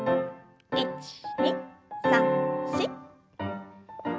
１２３４。